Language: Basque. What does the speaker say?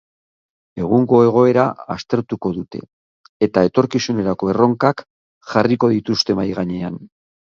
Egungo egoera aztertuko dute eta etorkizunerako erronkak jarriko dituzte mahai gainean.